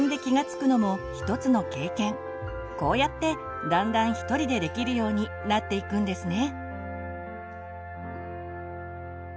こうやってだんだんひとりでできるようになっていくんですね。